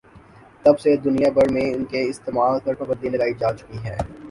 تب سے دنیا بھر میں ان کے استعمال پر پابندی لگائی جاچکی ہے